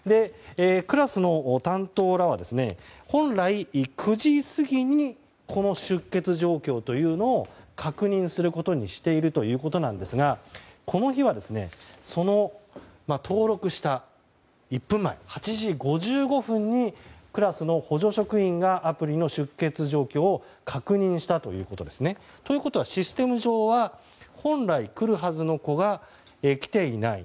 クラスの担当らは本来９時過ぎに、この出欠状況を確認することにしているということなんですがこの日は登録した１分前の８時５５分にクラスの補助職員がアプリの出欠状況を確認したということです。ということは、システム上は本来来るはずの子が来ていない。